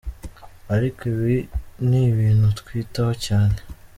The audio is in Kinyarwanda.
Ariko ibi ni ibintu twitaho cyane".